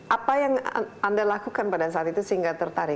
apa yang anda lakukan pada saat itu sehingga tertarik